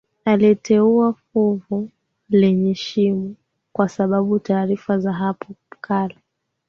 Aliteua fuvu lenye shimo kwa sababu taarifa za hapo kale